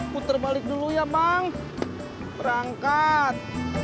puter balik dulu ya bang berangkat